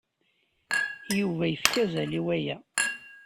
Yuba yefka azal i waya.